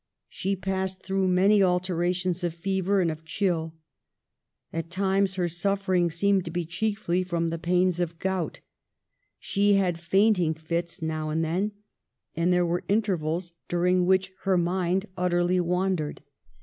She passed through many alternations of fever and of chill. At times her suffering seemed to be chiefly from the pains of gout ; she had fainting fits now and then, and there were intervals during which her 1714 THE DYING QUEEN. 373 mind utterly wandered.